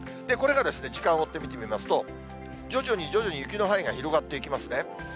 これが時間を追って見てみますと、徐々に徐々に雪の範囲が広がっていきますね。